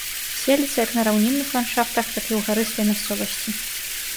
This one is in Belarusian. Селіцца як на раўнінных ландшафтах, так і ў гарыстай мясцовасці.